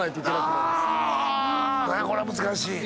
これ難しい。